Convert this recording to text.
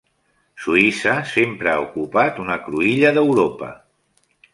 Suïssa sempre ha ocupat una cruïlla d'Europa.